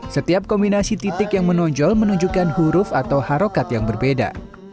setiap kombinasi titik yang menonjol menunjukkan huruf atau harokat yang berbeda